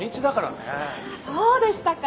そうでしたか。